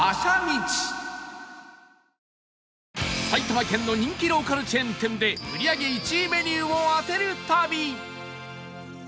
埼玉県の人気ローカルチェーン店で売り上げ１位メニューを当てる旅